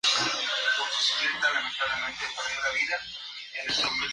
Al rodear el cabo de Hornos, Thomas Graham murió producto de un cuadro febril.